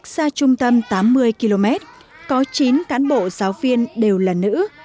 xa trung tâm tám mươi km có chín cán bộ giáo viên đều là nữ